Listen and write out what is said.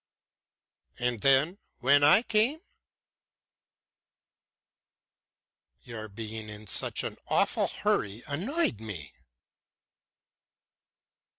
"And then, when I came?" "Your being in such an awful hurry annoyed me."